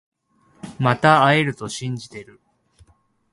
また会えると信じてる